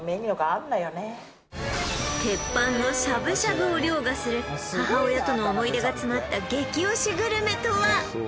鉄板のしゃぶしゃぶを凌駕する母親との思い出が詰まった激推しグルメとは！？